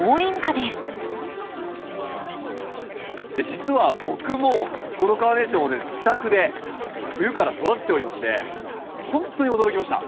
実は僕もこのカーネーションを自宅で冬から育てておりましてほんとに驚きました。